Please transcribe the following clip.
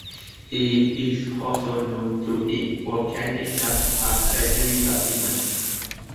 He is also known to eat volcanic dust as a dietary supplement.